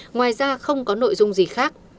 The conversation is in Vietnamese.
ngoài ra không có nội dung gì khác